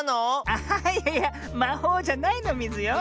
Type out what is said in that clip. あいやいやまほうじゃないのミズよ。